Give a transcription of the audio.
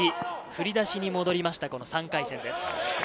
振り出しに戻りました、３回戦です。